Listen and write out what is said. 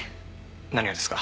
何がですか？